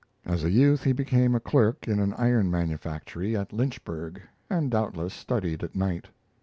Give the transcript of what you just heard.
As a youth he became a clerk in an iron manufactory, at Lynchburg, and doubtless studied at night.